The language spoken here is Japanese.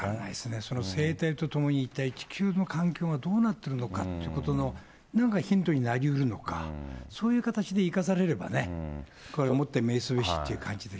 その生態とともに地球の環境がどうなっているのかということの、なんかヒントになりうるのか、そういう形で生かされればね、これをもってということなんでし